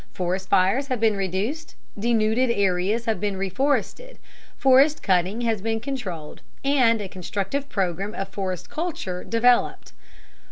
Forest fires have been reduced, denuded areas have been reforested, forest cutting has been controlled, and a constructive program of forest culture developed.